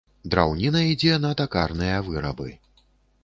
Драўніна ідзе на такарныя вырабы.